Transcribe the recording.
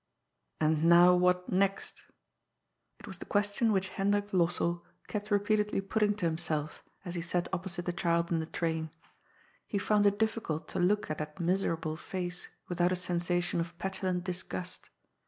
" And now what next ?*' It was the question which Hendrik Lossell kept repeatedly patting to himself as he sat opposite the child in the train. He found it difficult to look at that miserable face without a sensation of petulant disgust.